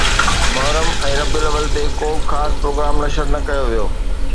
محرم ۽ ربيع الاول تي ڪو به خاص پروگرام نشر نه ڪيو ويو